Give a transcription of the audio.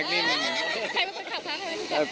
ใครเป็นคนขับคะ